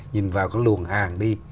nhìn vào cái luồng hàng đi